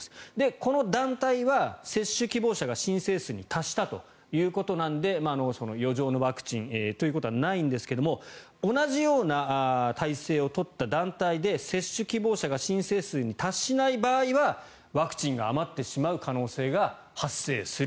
この団体は接種希望者が申請数に達したということなので余剰のワクチンということはないんですけども同じような体制を取った団体で接種希望者が申請数に達しない場合はワクチンが余ってしまう可能性が発生する。